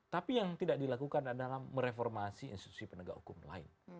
tapi yang tidak dilakukan adalah mereformasi institusi penegak hukum lain